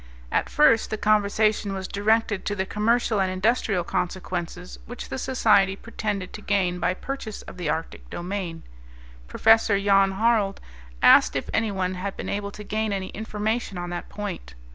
At first the conversation was directed to the commercial and industrial consequences which the Society pretended to gain by purchase of the Arctic domain. Prof. Jan Harald asked if any one had been able to gain any information on that point.